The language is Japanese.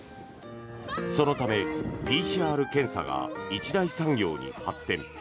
そのためＰＣＲ検査が一大産業に発展。